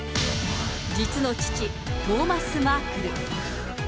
実の父、トーマス・マークル。